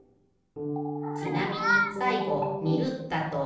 ちなみにさいごにるだと。